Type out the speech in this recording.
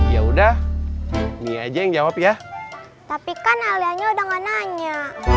ya udah mia aja yang jawab ya tapi kan alyanya udah nggak nanya